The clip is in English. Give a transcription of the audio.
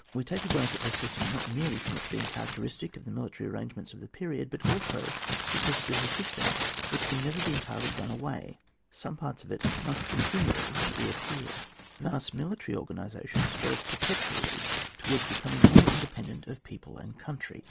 We take a glance at this system not merely from its being characteristic of the military arrange ments of the period, but also because it is a system which can never be entirely done away ; some parts of it must con tinually reappear. Thus military organisation strove per petually towards becoming more inde pendent of people and country.